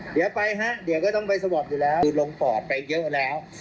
เดี๋ยวไปค่ะเดี๋ยวก็ต้องไปยกตอยซึ่งลงปอดไปเยอะแล้ว